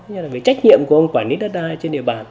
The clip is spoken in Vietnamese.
như là về trách nhiệm của ông quản lý đất đai trên địa bàn